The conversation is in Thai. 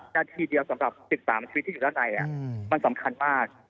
นาทีเดียวสำหรับ๑๓ชีวิตที่อยู่ด้านในมันสำคัญมาก